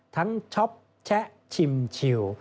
ทั้งช็อปแช๊ชิมชิว